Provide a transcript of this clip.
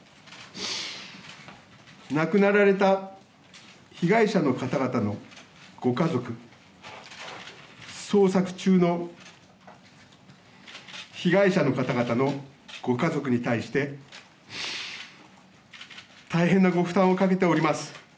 亡くなられた被害者の方々のご家族、捜索中の被害者の方々のご家族に対して、大変なご負担をかけております。